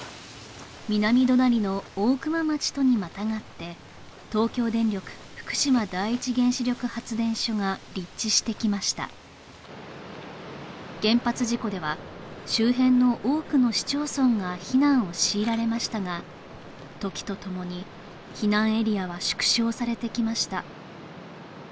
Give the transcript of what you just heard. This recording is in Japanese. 南隣の大熊町とにまたがって東京電力福島第一原子力発電所が立地してきました原発事故では周辺の多くの市町村が避難を強いられましたが時と共に避難エリアは縮小されてきました